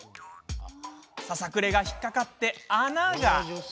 ささくれが引っ掛かって穴が！